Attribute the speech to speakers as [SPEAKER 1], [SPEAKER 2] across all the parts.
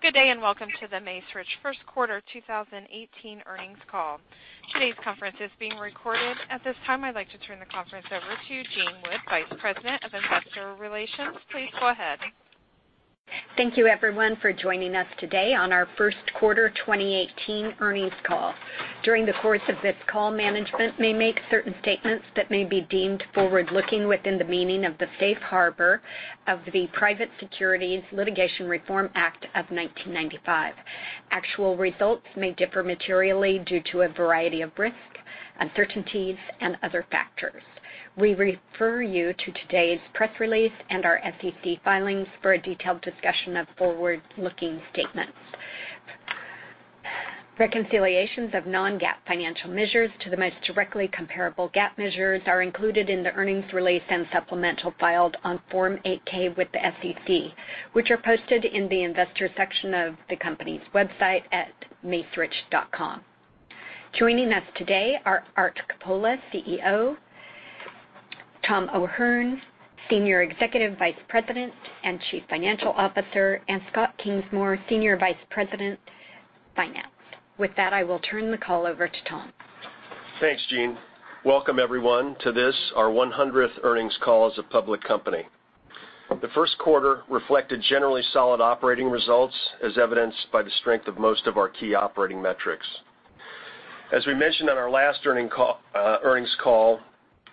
[SPEAKER 1] Good day. Welcome to The Macerich first quarter 2018 earnings call. Today's conference is being recorded. At this time, I'd like to turn the conference over to Jean Wood, Vice President of Investor Relations. Please go ahead.
[SPEAKER 2] Thank you everyone for joining us today on our first quarter 2018 earnings call. During the course of this call, management may make certain statements that may be deemed forward-looking within the meaning of the Safe Harbor of the Private Securities Litigation Reform Act of 1995. Actual results may differ materially due to a variety of risks, uncertainties, and other factors. We refer you to today's press release and our SEC filings for a detailed discussion of forward-looking statements. Reconciliations of non-GAAP financial measures to the most directly comparable GAAP measures are included in the earnings release and supplemental filed on Form 8-K with the SEC, which are posted in the investor section of the company's website at macerich.com. Joining us today are Arthur Coppola, CEO, Thomas O'Hern, Senior Executive Vice President and Chief Financial Officer, and Scott Kingsmore, Senior Vice President, Finance. With that, I will turn the call over to Tom.
[SPEAKER 3] Thanks, Jean. Welcome everyone to this, our 100th earnings call as a public company. The first quarter reflected generally solid operating results as evidenced by the strength of most of our key operating metrics. As we mentioned on our last earnings call,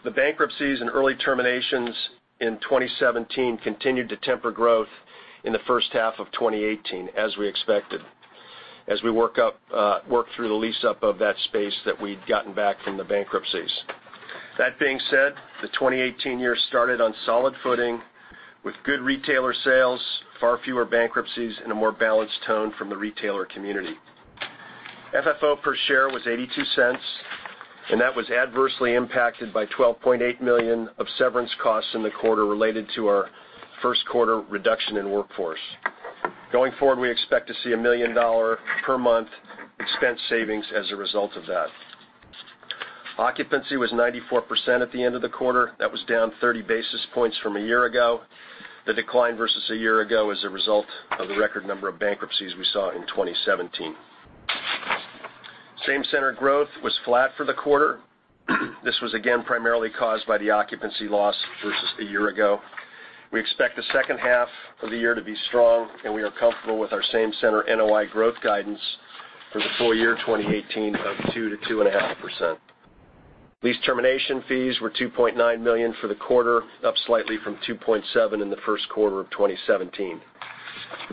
[SPEAKER 3] the bankruptcies and early terminations in 2017 continued to temper growth in the first half of 2018 as we expected, as we worked through the lease-up of that space that we'd gotten back from the bankruptcies. That being said, the 2018 year started on solid footing with good retailer sales, far fewer bankruptcies, and a more balanced tone from the retailer community. FFO per share was $0.82. That was adversely impacted by $12.8 million of severance costs in the quarter related to our first quarter reduction in workforce. Going forward, we expect to see a $1 million per month expense savings as a result of that. Occupancy was 94% at the end of the quarter. That was down 30 basis points from a year ago. The decline versus a year ago is a result of the record number of bankruptcies we saw in 2017. Same-center growth was flat for the quarter. This was again primarily caused by the occupancy loss versus a year ago. We expect the second half of the year to be strong, and we are comfortable with our same center NOI growth guidance for the full year 2018 of 2%-2.5%. Lease termination fees were $2.9 million for the quarter, up slightly from $2.7 million in the first quarter of 2017.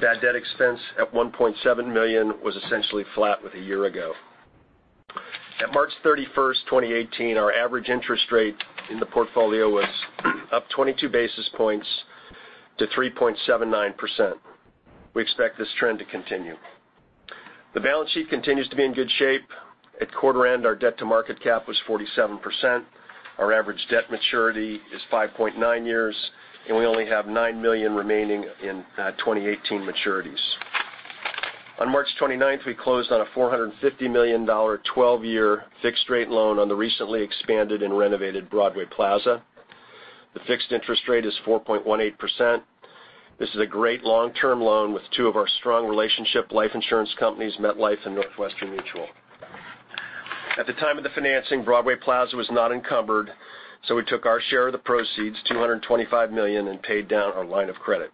[SPEAKER 3] Bad debt expense at $1.7 million was essentially flat with a year ago. At March 31st, 2018, our average interest rate in the portfolio was up 22 basis points to 3.79%. We expect this trend to continue. The balance sheet continues to be in good shape. At quarter end, our debt to market cap was 47%. Our average debt maturity is 5.9 years, and we only have $9 million remaining in 2018 maturities. On March 29th, we closed on a $450 million 12-year fixed rate loan on the recently expanded and renovated Broadway Plaza. The fixed interest rate is 4.18%. This is a great long-term loan with two of our strong relationship life insurance companies, MetLife and Northwestern Mutual. At the time of the financing, Broadway Plaza was not encumbered, so we took our share of the proceeds, $225 million, and paid down our line of credit.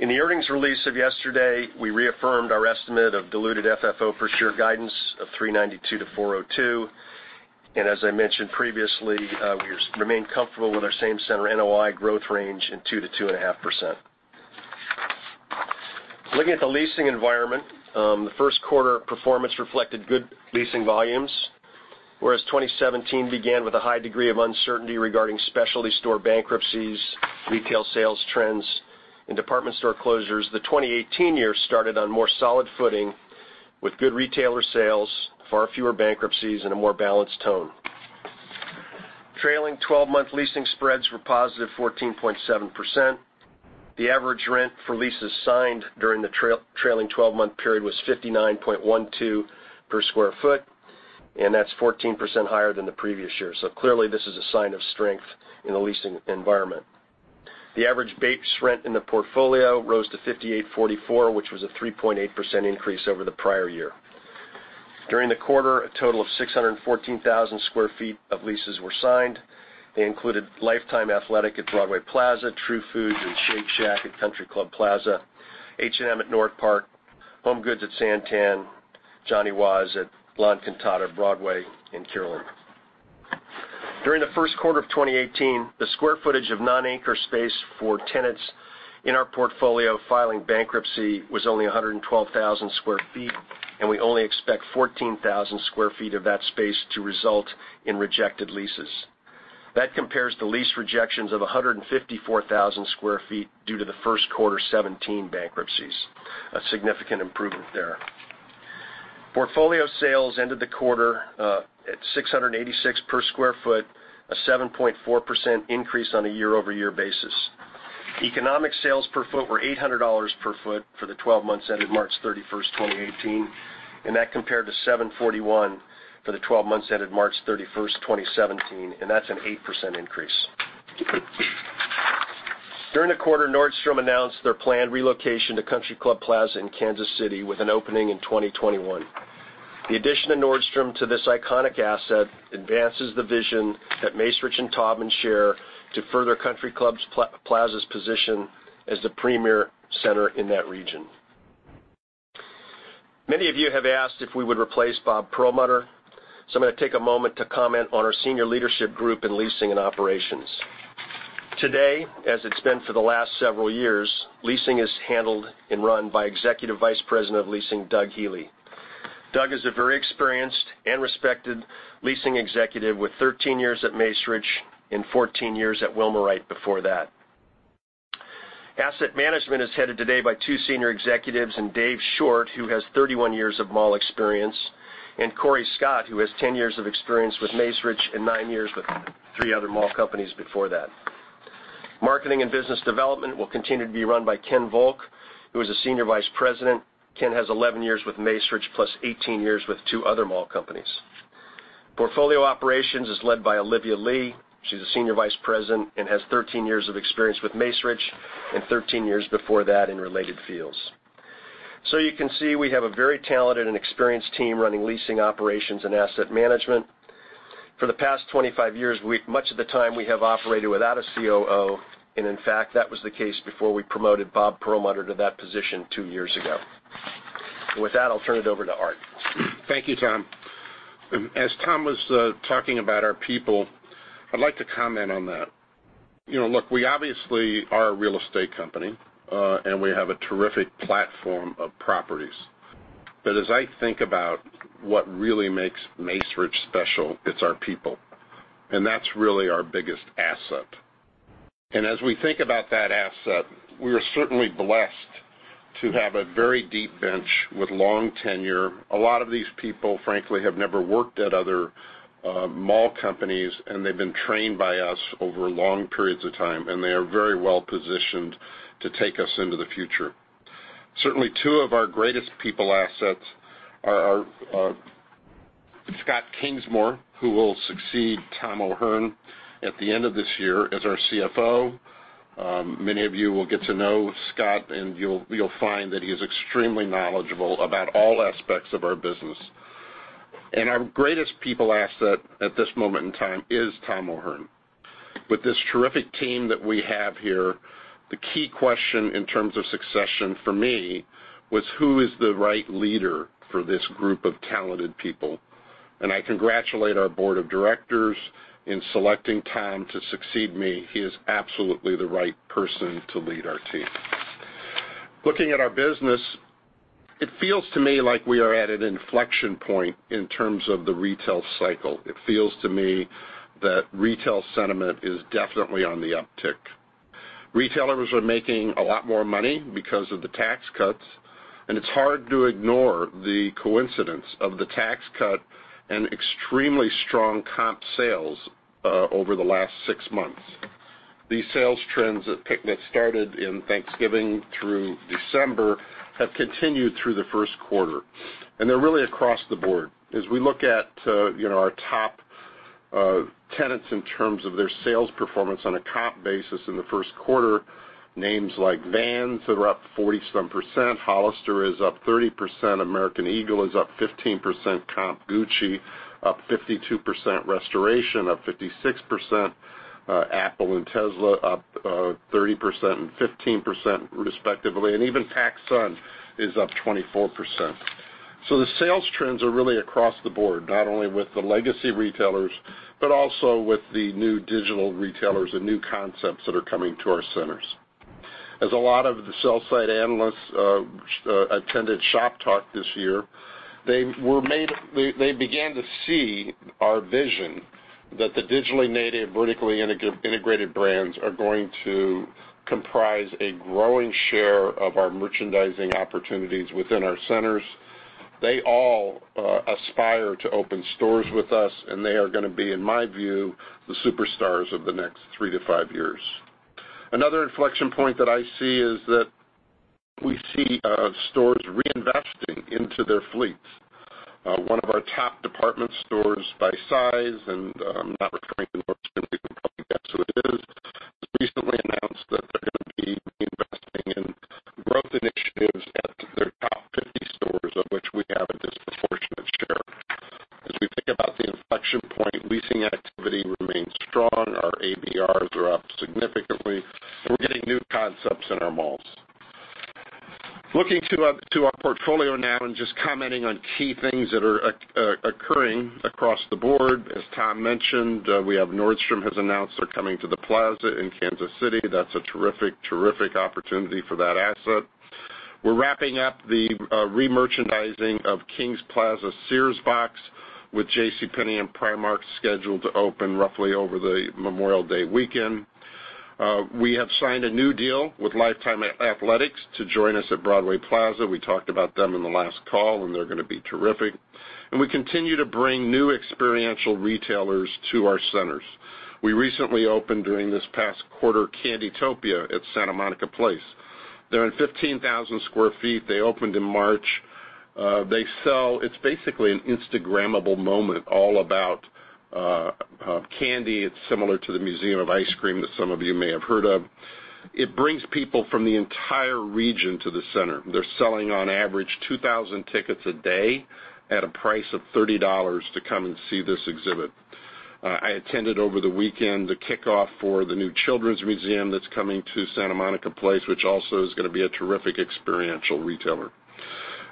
[SPEAKER 3] In the earnings release of yesterday, we reaffirmed our estimate of diluted FFO per share guidance of $3.92-$4.02. As I mentioned previously, we remain comfortable with our same center NOI growth range in 2%-2.5%. Looking at the leasing environment, the first quarter performance reflected good leasing volumes. Whereas 2017 began with a high degree of uncertainty regarding specialty store bankruptcies, retail sales trends, and department store closures, the 2018 year started on more solid footing with good retailer sales, far fewer bankruptcies, and a more balanced tone. Trailing 12-month leasing spreads were positive 14.7%. The average rent for leases signed during the trailing 12-month period was $59.12 per square foot, and that's 14% higher than the previous year. Clearly this is a sign of strength in the leasing environment. The average base rent in the portfolio rose to $58.44, which was a 3.8% increase over the prior year. During the quarter, a total of 614,000 square feet of leases were signed. They included Life Time Athletic at Broadway Plaza, True Food and Shake Shack at Country Club Plaza, H&M at NorthPark, HomeGoods at SanTan, Johnny Was at La Encantada, Broadway, and [Kierland]. During the first quarter of 2018, the square footage of non-anchor space for tenants in our portfolio filing bankruptcy was only 112,000 square feet, and we only expect 14,000 square feet of that space to result in rejected leases. That compares to lease rejections of 154,000 square feet due to the first quarter 2017 bankruptcies. A significant improvement there. Portfolio sales ended the quarter at $686 per square foot, a 7.4% increase on a year-over-year basis. Economic sales per foot were $800 per foot for the 12 months ended March 31st, 2018. That compared to $741 for the 12 months that ended March 31st, 2017, and that's an 8% increase. During the quarter, Nordstrom announced their planned relocation to Country Club Plaza in Kansas City with an opening in 2021. The addition of Nordstrom to this iconic asset advances the vision that Macerich and Taubman share to further Country Club Plaza's position as the premier center in that region. Many of you have asked if we would replace Bob Perlmutter, I'm going to take a moment to comment on our senior leadership group in leasing and operations. Today, as it's been for the last several years, leasing is handled and run by Executive Vice President of Leasing, Doug Healey. Doug is a very experienced and respected leasing executive with 13 years at Macerich and 14 years at Wilmorite before that. Asset management is headed today by two senior executives, in Dave Short, who has 31 years of mall experience, and Cory Scott, who has 10 years of experience with Macerich and nine years with three other mall companies before that. Marketing and business development will continue to be run by Ken Volk, who is a senior vice president. Ken has 11 years with Macerich, plus 18 years with two other mall companies. Portfolio operations is led by Olivia Lee. She's a senior vice president and has 13 years of experience with Macerich and 13 years before that in related fields. You can see, we have a very talented and experienced team running leasing operations and asset management. For the past 25 years, much of the time, we have operated without a COO, and in fact, that was the case before we promoted Bob Perlmutter to that position two years ago. With that, I'll turn it over to Art.
[SPEAKER 4] Thank you, Tom. As Tom was talking about our people, I'd like to comment on that. Look, we obviously are a real estate company, and we have a terrific platform of properties. As I think about what really makes Macerich special, it's our people, and that's really our biggest asset. As we think about that asset, we are certainly blessed to have a very deep bench with long tenure. A lot of these people, frankly, have never worked at other mall companies, and they've been trained by us over long periods of time, and they are very well positioned to take us into the future. Certainly, two of our greatest people assets are Scott Kingsmore, who will succeed Tom O'Hern at the end of this year as our CFO. Many of you will get to know Scott, you'll find that he is extremely knowledgeable about all aspects of our business. Our greatest people asset at this moment in time is Tom O'Hern. With this terrific team that we have here, the key question in terms of succession for me was who is the right leader for this group of talented people? I congratulate our board of directors in selecting Tom to succeed me. He is absolutely the right person to lead our team. Looking at our business, it feels to me like we are at an inflection point in terms of the retail cycle. It feels to me that retail sentiment is definitely on the uptick. Retailers are making a lot more money because of the tax cuts. It's hard to ignore the coincidence of the tax cut and extremely strong comp sales over the last six months. These sales trends that started in Thanksgiving through December have continued through the first quarter. They're really across the board. As we look at our top tenants in terms of their sales performance on a comp basis in the first quarter, names like Vans that are up 47%, Hollister is up 30%, American Eagle is up 15%, comp Gucci up 52%, Restoration up 56%, Apple and Tesla up 30% and 15% respectively, even PacSun is up 24%. The sales trends are really across the board, not only with the legacy retailers, but also with the new digital retailers and new concepts that are coming to our centers. As a lot of the sell side analysts attended Shoptalk this year, they began to see our vision that the digitally native, vertically integrated brands are going to comprise a growing share of our merchandising opportunities within our centers. They all aspire to open stores with us, they are going to be, in my view, the superstars of the next three to five years. Another inflection point that I see is that we see stores reinvesting into their fleets. One of our top department stores by size, I'm not referring to Nordstrom, you can probably guess who it is, has recently announced that they're going to be investing in growth initiatives at their top 50 stores, of which we have a disproportionate share. As we think about the inflection point, leasing activity remains strong. Our ABRs are up significantly, we're getting new concepts in our malls. Looking to our portfolio now and just commenting on key things that are occurring across the board. As Tom mentioned, we have Nordstrom has announced they're coming to the plaza in Kansas City. That's a terrific opportunity for that asset. We're wrapping up the remerchandising of Kings Plaza Sears box with JCPenney and Primark scheduled to open roughly over the Memorial Day weekend. We have signed a new deal with Life Time to join us at Broadway Plaza. We talked about them in the last call, they're going to be terrific. We continue to bring new experiential retailers to our centers. We recently opened, during this past quarter, Candytopia at Santa Monica Place. They're in 15,000 sq ft. They opened in March. It's basically an Instagrammable moment all about candy. It's similar to the Museum of Ice Cream that some of you may have heard of. It brings people from the entire region to the center. They're selling on average 2,000 tickets a day at a price of $30 to come and see this exhibit. I attended over the weekend, the kickoff for the new children's museum that's coming to Santa Monica Place, which also is going to be a terrific experiential retailer.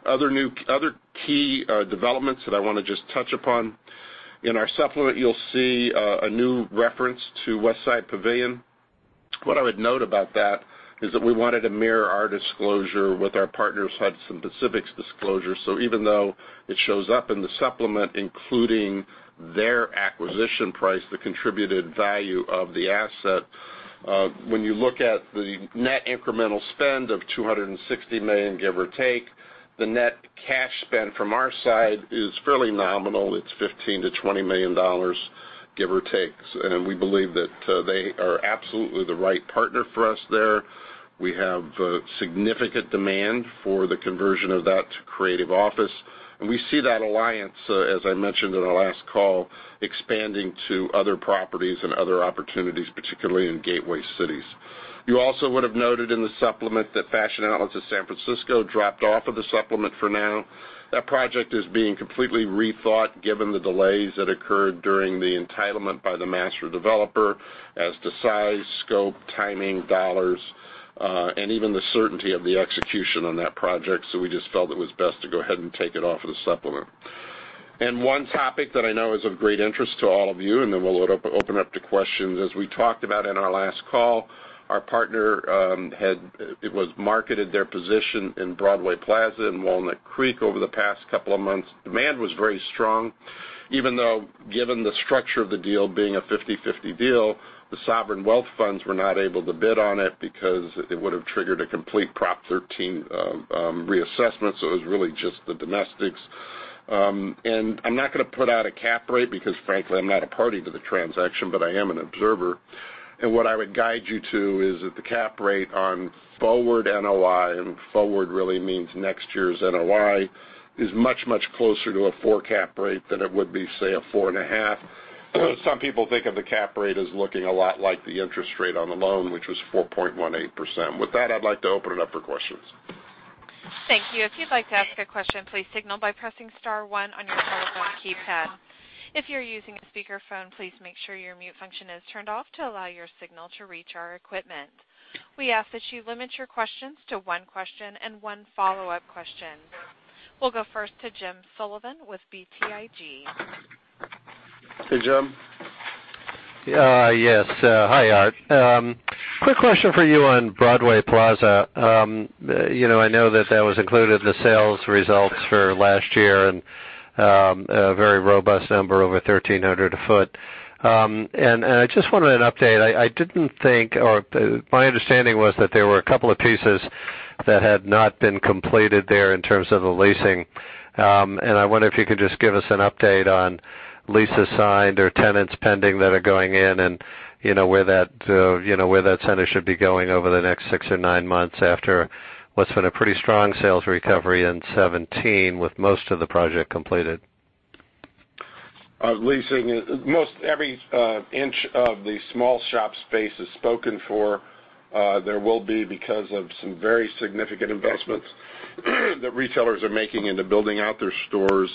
[SPEAKER 4] Other key developments that I want to just touch upon. In our supplement, you'll see a new reference to Westside Pavilion. What I would note about that is that we wanted to mirror our disclosure with our partners, Hudson Pacific's disclosure. Even though it shows up in the supplement, including their acquisition price, the contributed value of the asset, when you look at the net incremental spend of $260 million, give or take, the net cash spend from our side is fairly nominal. It's $15 million-$20 million, give or take. We believe that they are absolutely the right partner for us there. We have significant demand for the conversion of that to creative office. We see that alliance, as I mentioned in our last call, expanding to other properties and other opportunities, particularly in gateway cities. You also would've noted in the supplement that Fashion Outlet at San Francisco dropped off of the supplement for now. That project is being completely rethought, given the delays that occurred during the entitlement by the master developer as to size, scope, timing, dollars, and even the certainty of the execution on that project. We just felt it was best to go ahead and take it off of the supplement. One topic that I know is of great interest to all of you, and then we'll open up to questions. As we talked about in our last call, our partner had marketed their position in Broadway Plaza in Walnut Creek over the past couple of months. Demand was very strong, even though, given the structure of the deal being a 50/50 deal, the sovereign wealth funds were not able to bid on it because it would've triggered a complete Prop 13 reassessment, so it was really just the domestics. I'm not going to put out a cap rate because frankly, I'm not a party to the transaction, but I am an observer. What I would guide you to is that the cap rate on forward NOI, and forward really means next year's NOI, is much closer to a four cap rate than it would be, say, a four and a half. Some people think of the cap rate as looking a lot like the interest rate on the loan, which was 4.18%. With that, I'd like to open it up for questions.
[SPEAKER 1] Thank you. If you'd like to ask a question, please signal by pressing star one on your telephone keypad. If you're using a speakerphone, please make sure your mute function is turned off to allow your signal to reach our equipment. We ask that you limit your questions to one question and one follow-up question. We'll go first to James Sullivan with BTIG.
[SPEAKER 4] Hey, Jim.
[SPEAKER 5] Yes. Hi, Art. Quick question for you on Broadway Plaza. I know that that was included in the sales results for last year, a very robust number, over 1,300 a foot. I just wanted an update. My understanding was that there were a couple of pieces that had not been completed there in terms of the leasing. I wonder if you could just give us an update on leases signed or tenants pending that are going in, and where that center should be going over the next six or nine months after what's been a pretty strong sales recovery in 2017, with most of the project completed.
[SPEAKER 4] Most every inch of the small shop space is spoken for. There will be because of some very significant investments that retailers are making into building out their stores.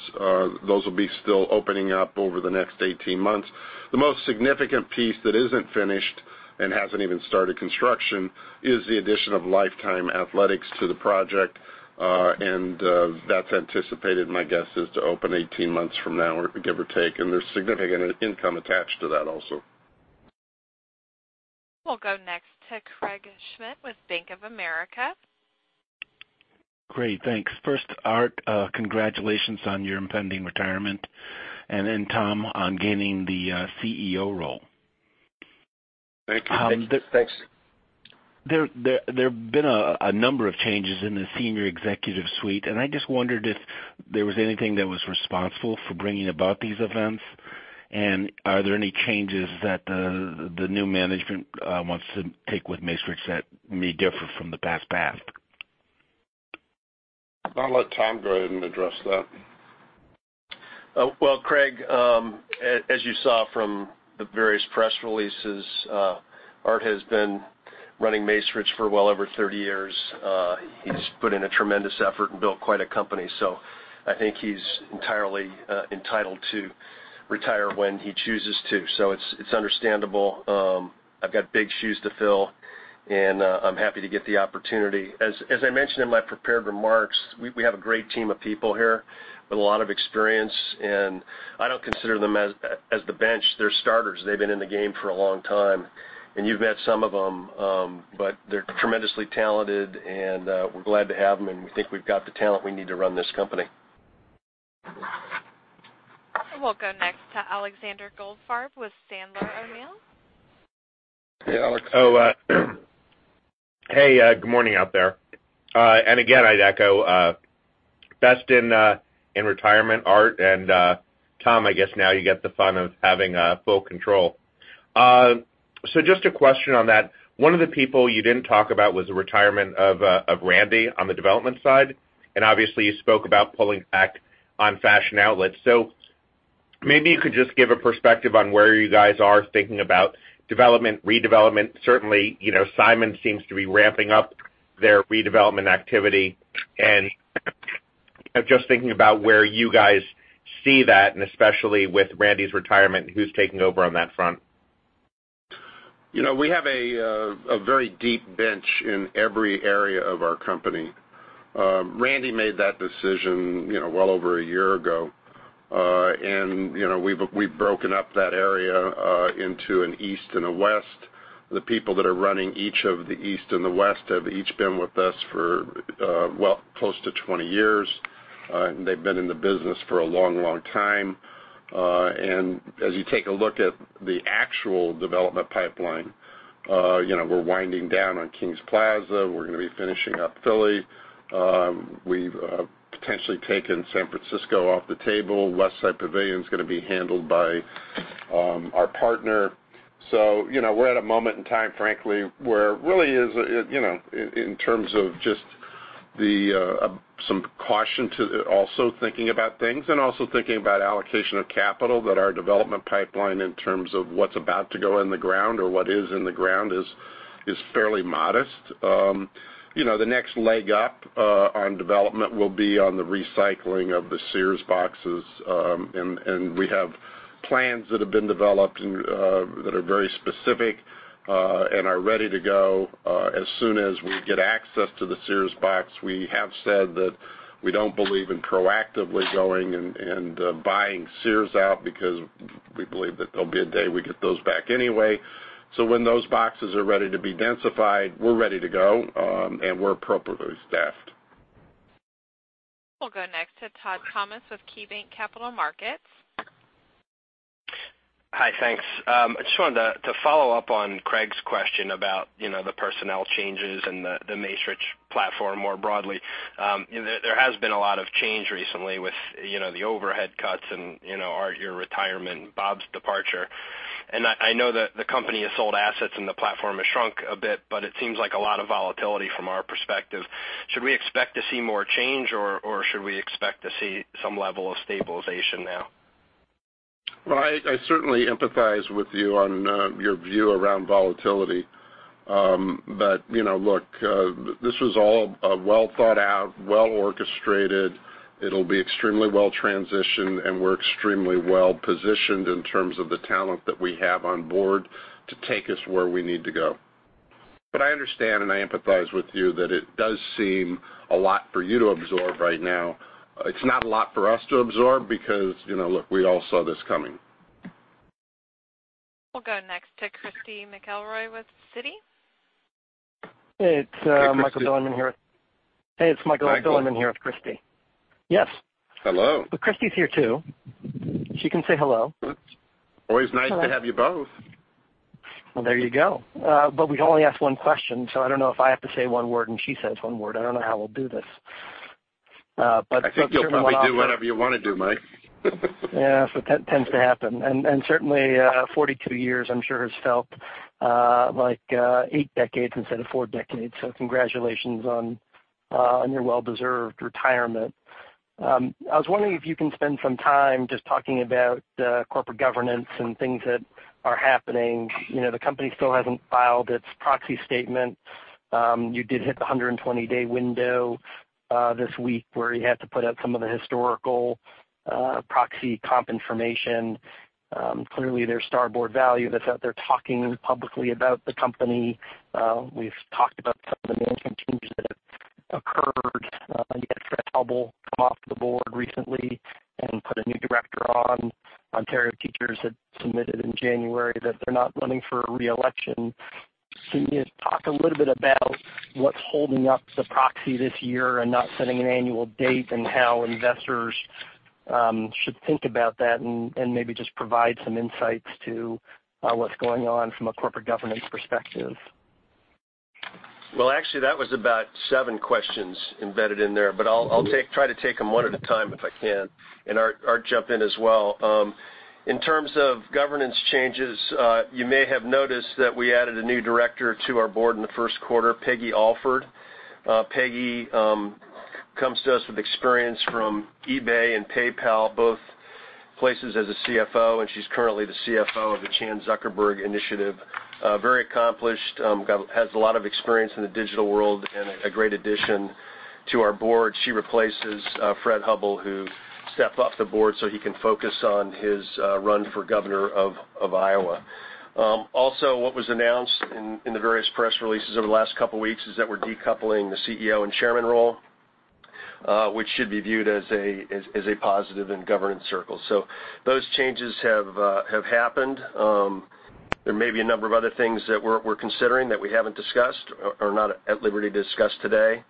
[SPEAKER 4] Those will be still opening up over the next 18 months. The most significant piece that isn't finished and hasn't even started construction is the addition of Life Time, Inc. to the project. That's anticipated, my guess is, to open 18 months from now, give or take. There's significant income attached to that also.
[SPEAKER 1] We'll go next to Craig Schmidt with Bank of America.
[SPEAKER 6] Great. Thanks. First, Art, congratulations on your impending retirement, and then Tom, on gaining the CEO role.
[SPEAKER 4] Thank you. Thanks.
[SPEAKER 6] There've been a number of changes in the senior executive suite, and I just wondered if there was anything that was responsible for bringing about these events, and are there any changes that the new management wants to take with Macerich that may differ from the past path?
[SPEAKER 4] I'll let Tom go ahead and address that.
[SPEAKER 3] Well, Craig, as you saw from the various press releases, Art has been running Macerich for well over 30 years. He's put in a tremendous effort and built quite a company. I think he's entirely entitled to retire when he chooses to. It's understandable. I've got big shoes to fill, and I'm happy to get the opportunity. As I mentioned in my prepared remarks, we have a great team of people here with a lot of experience, and I don't consider them as the bench. They're starters. They've been in the game for a long time. You've met some of them, but they're tremendously talented and we're glad to have them, we think we've got the talent we need to run this company.
[SPEAKER 1] We'll go next to Alexander Goldfarb with Sandler O'Neill.
[SPEAKER 4] Hey, Alex.
[SPEAKER 7] Hey, good morning out there. Again, I'd echo best in retirement, Art, and Tom, I guess now you get the fun of having full control. Just a question on that. One of the people you didn't talk about was the retirement of Randy on the development side, and obviously you spoke about pulling back on Fashion Outlets. Maybe you could just give a perspective on where you guys are thinking about development, redevelopment. Certainly, Simon Property Group seems to be ramping up their redevelopment activity and just thinking about where you guys see that, especially with Randy's retirement, who's taking over on that front?
[SPEAKER 4] We have a very deep bench in every area of our company. Randy made that decision well over a year ago. We've broken up that area into an east and a west. The people that are running each of the east and the west have each been with us for close to 20 years. They've been in the business for a long, long time. As you take a look at the actual development pipeline, we're winding down on Kings Plaza. We're going to be finishing up Philly. We've potentially taken San Francisco off the table. Westside Pavilion is going to be handled by our partner. We're at a moment in time, frankly, where really in terms of just some caution to also thinking about things and also thinking about allocation of capital, that our development pipeline in terms of what's about to go in the ground or what is in the ground is fairly modest. The next leg up on development will be on the recycling of the Sears boxes. We have plans that have been developed that are very specific and are ready to go as soon as we get access to the Sears box. We have said that we don't believe in proactively going and buying Sears out because we believe that there'll be a day we get those back anyway. When those boxes are ready to be densified, we're ready to go, and we're appropriately staffed.
[SPEAKER 1] We'll go next to Todd Thomas with KeyBanc Capital Markets.
[SPEAKER 8] Hi, thanks. I just wanted to follow up on Craig's question about the Macerich platform more broadly. There has been a lot of change recently with the overhead cuts and your retirement, Bob's departure. I know that the company has sold assets and the platform has shrunk a bit, it seems like a lot of volatility from our perspective. Should we expect to see more change, or should we expect to see some level of stabilization now?
[SPEAKER 4] Well, I certainly empathize with you on your view around volatility. Look, this was all a well-thought-out, well-orchestrated, it will be extremely well transitioned, and we are extremely well positioned in terms of the talent that we have on board to take us where we need to go. I understand and I empathize with you that it does seem a lot for you to absorb right now. It is not a lot for us to absorb because, look, we all saw this coming.
[SPEAKER 1] We will go next to Christy McElroy with Citi.
[SPEAKER 9] Hey, it is Michael Bilerman here with Christy.
[SPEAKER 4] Hello.
[SPEAKER 9] Christy's here, too. She can say hello.
[SPEAKER 4] Always nice to have you both.
[SPEAKER 9] Well, there you go. We can only ask one question, so I don't know if I have to say one word and she says one word. I don't know how we'll do this.
[SPEAKER 4] I think you can probably do whatever you want to do, Mike.
[SPEAKER 9] Yeah, that tends to happen. Certainly, 42 years, I'm sure, has felt like eight decades instead of four decades. Congratulations on your well-deserved retirement. I was wondering if you can spend some time just talking about corporate governance and things that are happening. The company still hasn't filed its proxy statement. You did hit the 120-day window this week where you had to put out some of the historical proxy comp information. Clearly, there's Starboard Value that's out there talking publicly about the company. We've talked about some of the management changes that have occurred. You had Fred Hubbell come off the board recently and put a new director on. Ontario Teachers had submitted in January that they're not running for re-election. Can you talk a little bit about what's holding up the proxy this year and not setting an annual date and how investors should think about that, and maybe just provide some insights to what's going on from a corporate governance perspective?
[SPEAKER 3] Well, actually, that was about seven questions embedded in there, I'll try to take them one at a time if I can, and Art, jump in as well. In terms of governance changes, you may have noticed that we added a new director to our board in the first quarter, Peggy Alford. Peggy comes to us with experience from eBay and PayPal, both places as a CFO, and she's currently the CFO of the Chan Zuckerberg Initiative. Very accomplished, has a lot of experience in the digital world and a great addition to our board. She replaces Fred Hubbell, who stepped off the board so he can focus on his run for governor of Iowa. What was announced in the various press releases over the last couple of weeks is that we're decoupling the CEO and Chairman role, which should be viewed as a positive in governance circles. Those changes have happened. There may be a number of other things that we're considering that we haven't discussed or are not at liberty to discuss today.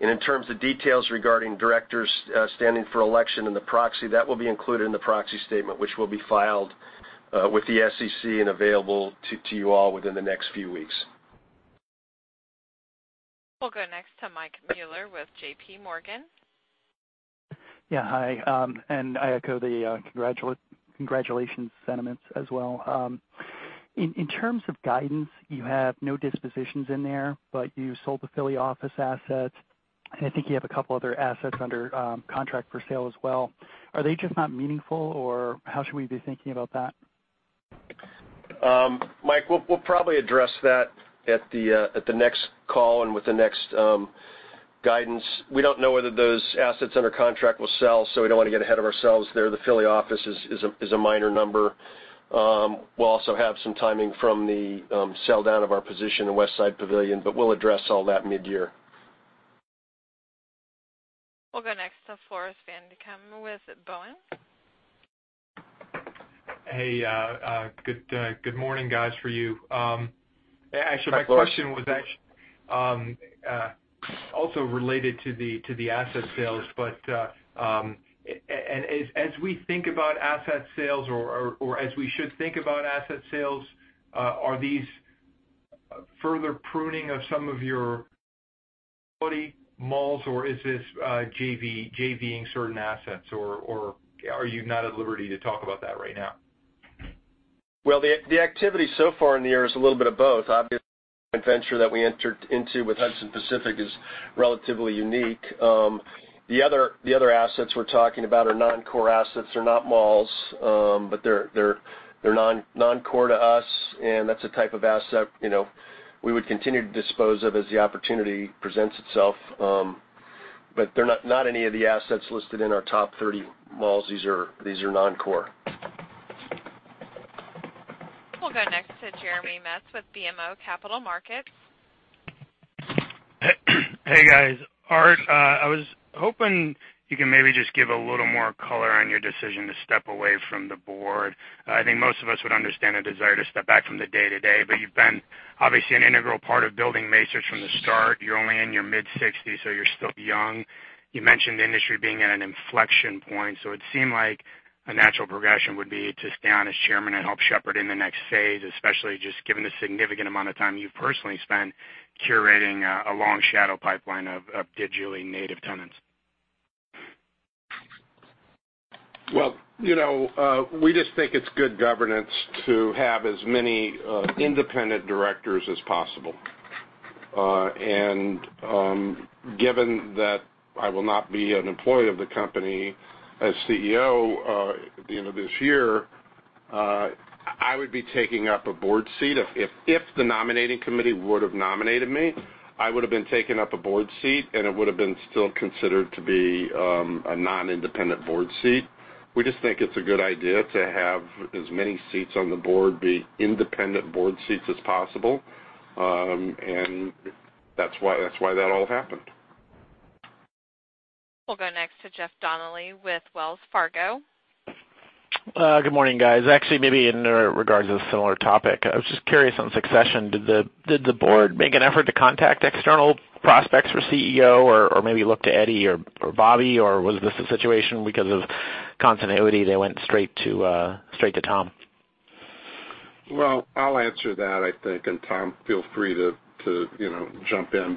[SPEAKER 4] In terms of details regarding directors standing for election in the proxy, that will be included in the proxy statement, which will be filed with the SEC and available to you all within the next few weeks.
[SPEAKER 1] We'll go next to Michael Mueller with JPMorgan.
[SPEAKER 10] Hi, I echo the congratulations sentiments as well. In terms of guidance, you have no dispositions in there, but you sold the Philly office assets, and I think you have a couple other assets under contract for sale as well. Are they just not meaningful, or how should we be thinking about that?
[SPEAKER 4] Mike, we'll probably address that at the next call and with the next guidance. We don't know whether those assets under contract will sell, so we don't want to get ahead of ourselves there. The Philly office is a minor number. We'll also have some timing from the sell-down of our position in Westside Pavilion, but we'll address all that mid-year.
[SPEAKER 1] We'll go next to Floris van Dijkum with Bowen.
[SPEAKER 11] Hey, good morning, guys, for you. Actually, my question was also related to the asset sales. As we think about asset sales or as we should think about asset sales, are these further pruning of some of your quality malls, or is this JV-ing certain assets, or are you not at liberty to talk about that right now?
[SPEAKER 4] Well, the activity so far in the year is a little bit of both. Obviously, the venture that we entered into with Hudson Pacific is relatively unique. The other assets we're talking about are non-core assets. They're not malls, but they're non-core to us, and that's the type of asset we would continue to dispose of as the opportunity presents itself. Not any of the assets listed in our top 30 malls. These are non-core.
[SPEAKER 1] We'll go next to Jeremy Metz with BMO Capital Markets.
[SPEAKER 12] Hey, guys. Art, I was hoping you can maybe just give a little more color on your decision to step away from the board. I think most of us would understand a desire to step back from the day-to-day, you've been obviously an integral part of building Macerich from the start. You're only in your mid-60s, you're still young. You mentioned the industry being at an inflection point, it seemed like a natural progression would be to stay on as chairman and help shepherd in the next stage, especially just given the significant amount of time you personally spent curating a long shadow pipeline of digitally native tenants.
[SPEAKER 4] Well, we just think it's good governance to have as many independent directors as possible. Given that I will not be an employee of the company as CEO at the end of this year, I would be taking up a board seat. If the nominating committee would have nominated me, I would have been taking up a board seat, it would have been still considered to be a non-independent board seat. We just think it's a good idea to have as many seats on the board be independent board seats as possible, that's why that all happened.
[SPEAKER 1] We'll go next to Jeff Donnelly with Wells Fargo.
[SPEAKER 13] Good morning, guys. Actually, maybe in regards to a similar topic. I was just curious on succession. Did the board make an effort to contact external prospects for CEO or maybe look to Eddie or Bobby, or was this a situation because of continuity, they went straight to Tom?
[SPEAKER 4] I'll answer that, I think, and Tom, feel free to jump in.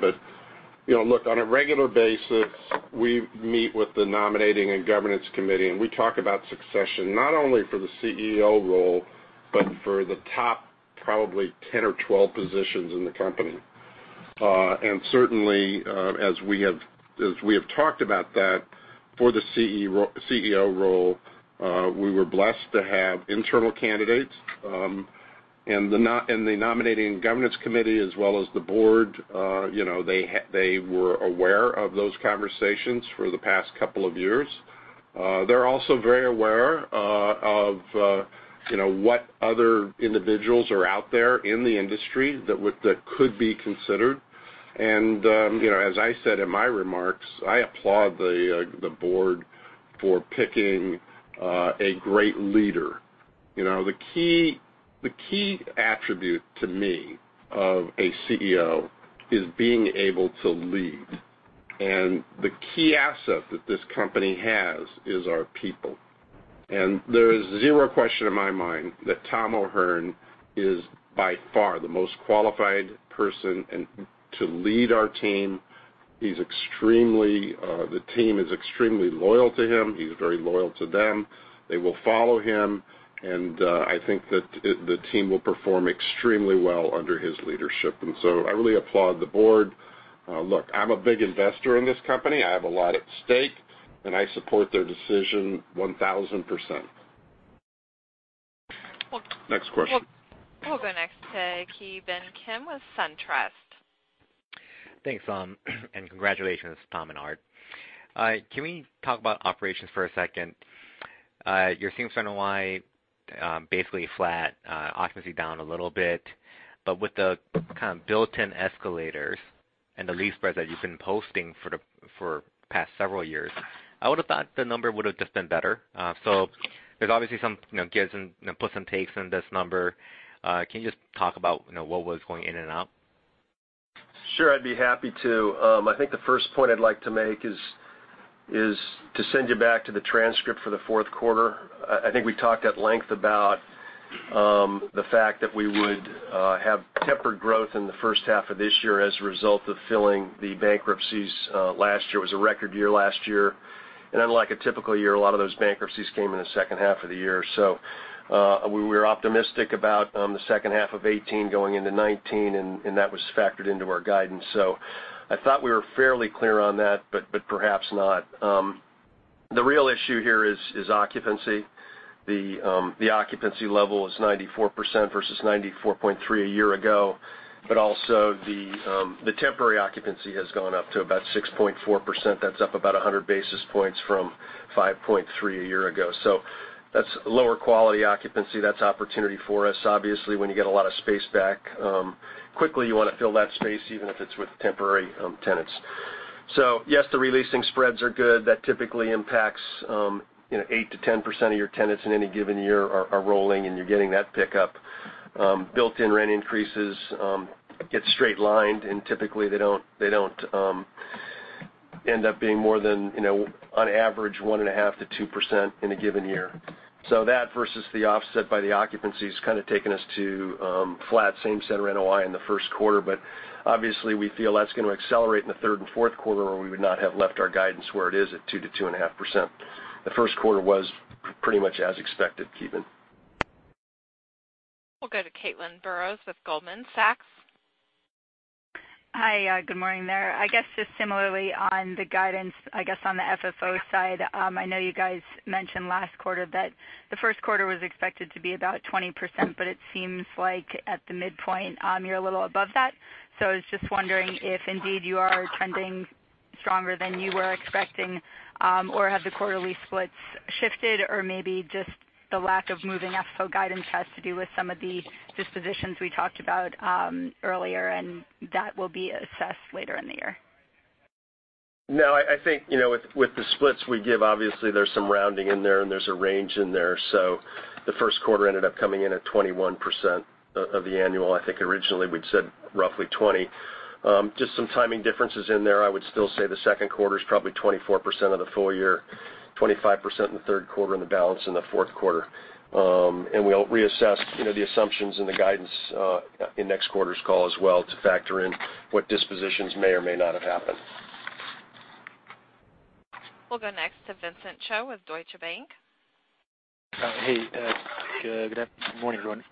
[SPEAKER 4] Look, on a regular basis, we meet with the nominating and governance committee, we talk about succession, not only for the CEO role, but for the top probably 10 or 12 positions in the company. Certainly, as we have talked about that for the CEO role, we were blessed to have internal candidates, the nominating and governance committee as well as the board, they were aware of those conversations for the past couple of years. They're also very aware of what other individuals are out there in the industry that could be considered. As I said in my remarks, I applaud the board for picking a great leader. The key attribute to me of a CEO is being able to lead. The key asset that this company has is our people. There is zero question in my mind that Thomas O'Hern is by far the most qualified person to lead our team. The team is extremely loyal to him. He's very loyal to them. They will follow him, and I think that the team will perform extremely well under his leadership. I really applaud the board. Look, I'm a big investor in this company. I have a lot at stake, and I support their decision 1,000%. Next question.
[SPEAKER 1] We'll go next to Ki Bin Kim with SunTrust.
[SPEAKER 14] Thanks. Congratulations, Tom and Art. Can we talk about operations for a second? Your same center wide basically flat, occupancy down a little bit, with the kind of built-in escalators and the lease spreads that you've been posting for the past several years I would have thought the number would have just been better. There's obviously some gives and puts and takes in this number. Can you just talk about what was going in and out?
[SPEAKER 3] Sure, I'd be happy to. I think the first point I'd like to make is to send you back to the transcript for the fourth quarter. I think we talked at length about the fact that we would have tempered growth in the first half of this year as a result of filling the bankruptcies last year. It was a record year last year. Unlike a typical year, a lot of those bankruptcies came in the second half of the year. We were optimistic about the second half of 2018 going into 2019, and that was factored into our guidance. I thought we were fairly clear on that, but perhaps not. The real issue here is occupancy. The occupancy level is 94% versus 94.3% a year ago. Also the temporary occupancy has gone up to about 6.4%. That's up about 100 basis points from 5.3% a year ago. That's lower quality occupancy. That's opportunity for us. Obviously, when you get a lot of space back quickly, you want to fill that space, even if it's with temporary tenants. Yes, the re-leasing spreads are good. That typically impacts 8%-10% of your tenants in any given year are rolling, and you're getting that pickup. Built-in rent increases get straight-lined, and typically they don't end up being more than, on average, 1.5%-2% in a given year. That versus the offset by the occupancy has kind of taken us to flat same-center NOI in the first quarter. Obviously, we feel that's going to accelerate in the third and fourth quarter, or we would not have left our guidance where it is at 2%-2.5%. The first quarter was pretty much as expected, Ki Bin.
[SPEAKER 1] We'll go to Caitlin Burrows with Goldman Sachs.
[SPEAKER 15] Hi, good morning there. I guess just similarly on the guidance, I guess on the FFO side. I know you guys mentioned last quarter that the first quarter was expected to be about 20%, but it seems like at the midpoint, you're a little above that. I was just wondering if indeed you are trending stronger than you were expecting, or have the quarterly splits shifted, or maybe just the lack of moving FFO guidance has to do with some of the dispositions we talked about earlier, and that will be assessed later in the year.
[SPEAKER 3] No, I think, with the splits we give, obviously there's some rounding in there, and there's a range in there. The first quarter ended up coming in at 21% of the annual. I think originally we'd said roughly 20, just some timing differences in there. I would still say the second quarter's probably 24% of the full year, 25% in the third quarter, and the balance in the fourth quarter. We'll reassess the assumptions and the guidance in next quarter's call as well to factor in what dispositions may or may not have happened.
[SPEAKER 1] We'll go next to Vincent Cho with Deutsche Bank.
[SPEAKER 16] Hey, good morning, everyone.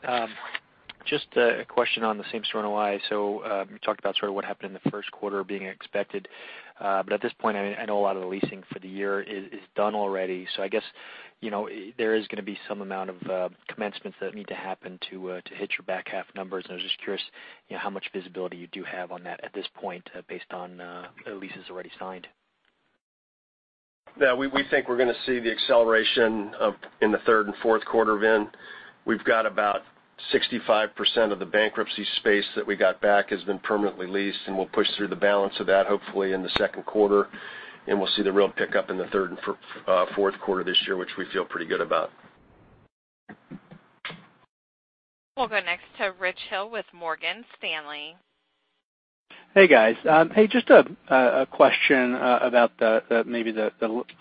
[SPEAKER 16] Just a question on the same store NOI. You talked about sort of what happened in the first quarter being expected. At this point, I know a lot of the leasing for the year is done already. I guess there is going to be some amount of commencements that need to happen to hit your back-half numbers, and I was just curious how much visibility you do have on that at this point based on leases already signed.
[SPEAKER 3] Yeah, we think we're going to see the acceleration in the third and fourth quarter, Vin. We've got about 65% of the bankruptcy space that we got back has been permanently leased, and we'll push through the balance of that hopefully in the second quarter. We'll see the real pickup in the third and fourth quarter this year, which we feel pretty good about.
[SPEAKER 1] We'll go next to Richard Hill with Morgan Stanley.
[SPEAKER 17] Hey, guys. Just a question about maybe the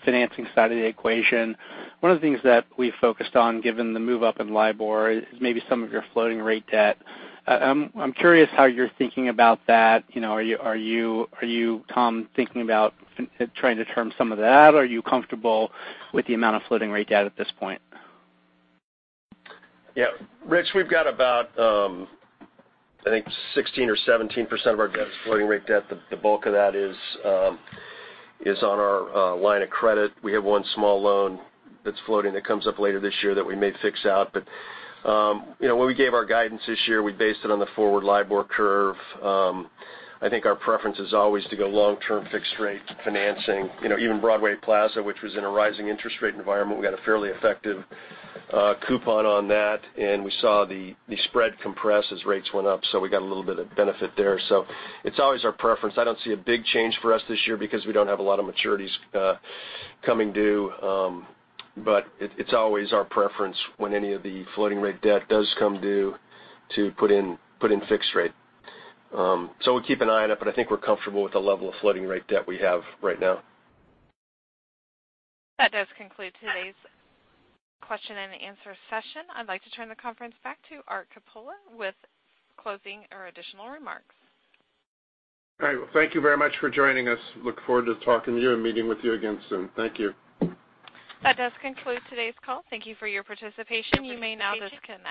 [SPEAKER 17] financing side of the equation. One of the things that we've focused on, given the move up in LIBOR, is maybe some of your floating rate debt. I'm curious how you're thinking about that. Are you, Tom, thinking about trying to term some of that? Are you comfortable with the amount of floating rate debt at this point?
[SPEAKER 3] Yeah. Rich, we've got about I think 16% or 17% of our debt is floating rate debt. The bulk of that is on our line of credit. We have one small loan that's floating that comes up later this year that we may fix out. When we gave our guidance this year, we based it on the forward LIBOR curve. I think our preference is always to go long-term fixed-rate financing. Even Broadway Plaza, which was in a rising interest rate environment, we got a fairly effective coupon on that, and we saw the spread compress as rates went up. We got a little bit of benefit there. It's always our preference. I don't see a big change for us this year because we don't have a lot of maturities coming due. It's always our preference when any of the floating rate debt does come due to put in fixed rate. We'll keep an eye on it, but I think we're comfortable with the level of floating rate debt we have right now.
[SPEAKER 1] That does conclude today's question and answer session. I'd like to turn the conference back to Arthur Coppola with closing or additional remarks.
[SPEAKER 4] All right. Thank you very much for joining us. Look forward to talking to you and meeting with you again soon. Thank you.
[SPEAKER 1] That does conclude today's call. Thank you for your participation. You may now disconnect.